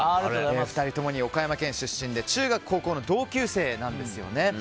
２人とも岡山県出身で中学高校の同級生なんですよね。